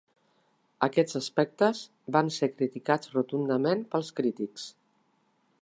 Aquests aspectes van ser criticats rotundament pels crítics.